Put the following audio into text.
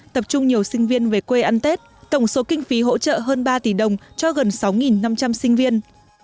tập trung nhiều sinh viên về quê ăn tết tổng số kinh phí hỗ trợ hơn ba tỷ đồng cho gần sáu năm trăm linh sinh viên